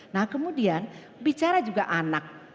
nah kemudian bicara juga anak